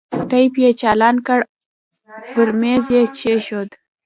ټېپ يې چالان کړ پر ميز يې کښېښود.